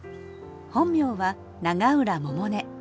本名は永浦百音。